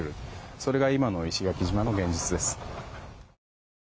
それが今の石垣島の現実です。